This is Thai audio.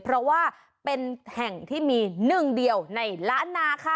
เพราะว่าเป็นแห่งที่มีหนึ่งเดียวในล้านนาค่ะ